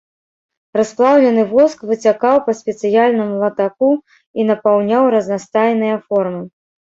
Расплаўлены воск выцякаў па спецыяльным латаку і напаўняў разнастайныя формы.